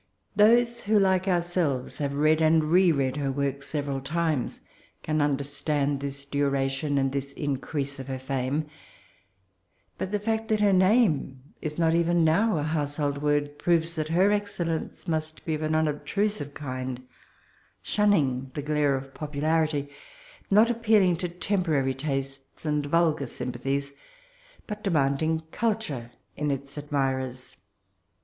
Those who, like ourselves, have read and re read her works several times, can understand this duration, and this increase of her fame. But the fact that her name is not even now a household word proves that her ex cellence must be of an unobtrusive kind, shunning the glare of popular ity, not appealing to temporary tastes and vulgar sympathies, but demand ing culture in its admirers.